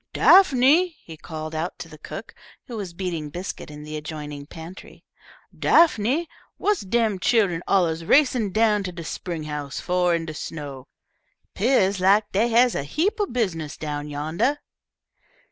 "Daphne," he called out to the cook, who was beating biscuit in the adjoining pantry, "Daphne, what's dem chillun alluz racin' down to de spring house fo' in de snow? Peah's lak dee has a heap o' business down yandah."